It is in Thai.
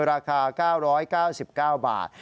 ราคา๙๙๙บาท